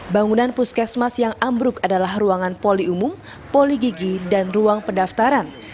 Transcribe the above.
bangunan puskesmas yang ambruk adalah ruangan poli umum poligigi dan ruang pendaftaran